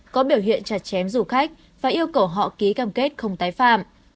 có biểu hiện chặt chém du khách và yêu cầu họ ký cam kết không tái phạm